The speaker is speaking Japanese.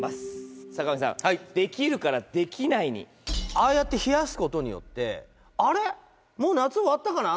ああやって冷やすことによって「あれ？もう夏終わったかな」